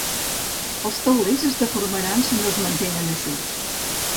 Els taulers es deformaran si no es mantenen eixuts.